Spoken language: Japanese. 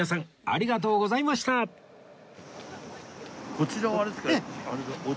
こちらはあれですか？